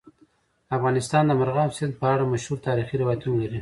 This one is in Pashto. افغانستان د مورغاب سیند په اړه مشهور تاریخی روایتونه لري.